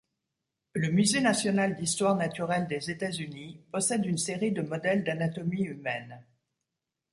Le Musée national d'histoire naturelle des États-Unis possède une série de modèles d'anatomie humaine.